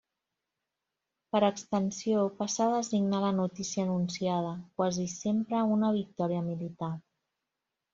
Per extensió passà a designar la notícia anunciada, quasi sempre una victòria militar.